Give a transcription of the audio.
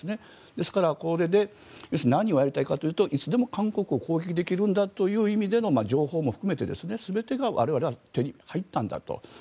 ですからこれで何をやりたいかというといつでも韓国を攻撃できるんだという意味での情報も含めて全てが我々は手に入ったんだと。